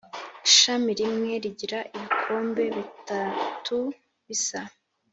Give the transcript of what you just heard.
Ishami rimwe rigira ibikombe bitatu bisa